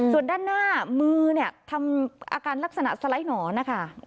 ส่วนด้านหน้ามือเนี่ยทำอาการลักษณะสไลด์หนอนนะคะ